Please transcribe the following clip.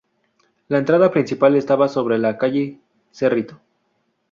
La entrada principal estaba sobre la calle Cerrito.